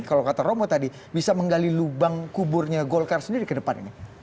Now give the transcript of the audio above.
kalau kata romo tadi bisa menggali lubang kuburnya golkar sendiri ke depan ini